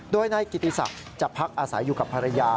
โดยนายกิติศักดิ์จะพักอาศัยอยู่กับภรรยา